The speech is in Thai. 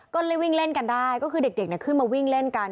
ก็เลยวิ่งเล่นกันได้ก็คือเด็กขึ้นมาวิ่งเล่นกัน